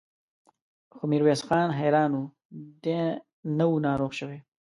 خو ميرويس خان حيران و، دی نه و ناروغه شوی.